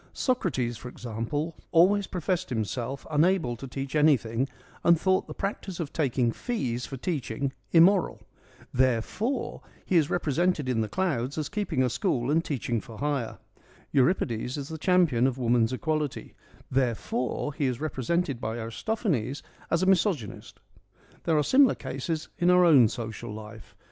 Socrates, for example, always professed himself unable to teach anything and thought the practice of taking fees for teaching immoral. Therefore, he is represented in the 1 Clouds ' as keeping a school and teaching for hire. Euripides is the champion of woman's equality ; therefore, he is represented by Aristophanes as a misogynist. There are similar cases in our own social life.